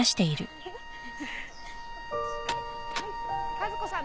和子さん